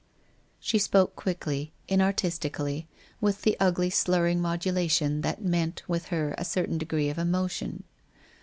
She spoke quickly, inartistically, with the ugly slurring modulation that meant with her a certain degree of emo tion.